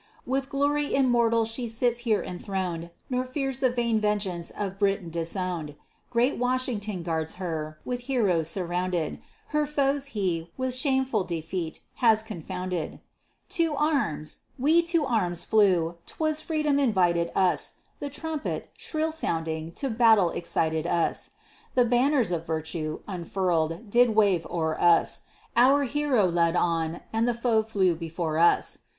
With glory immortal she here sits enthroned, Nor fears the vain vengeance of Britain disown'd, Great Washington guards her, with heroes surrounded; Her foes he, with shameful defeat, has confounded. To arms! we to arms flew! 'twas Freedom invited us, The trumpet, shrill sounding, to battle excited us; The banners of virtue, unfurl'd, did wave o'er us, Our hero led on, and the foe flew before us.